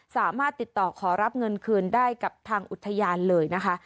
สามารถติดต่อขอรับเงินคืนได้กับทางอุทยานเลยนะคะ